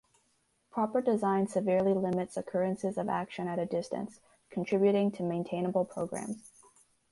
Proper design severely limits occurrences of action at a distance, contributing to maintainable programs.